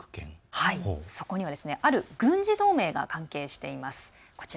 そこにはある軍事同盟が関係しています。